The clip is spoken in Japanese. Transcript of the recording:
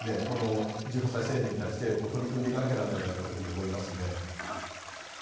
この１８歳成年に対して取り組んでいかなきゃなんないんじゃないかというふうに思いますね。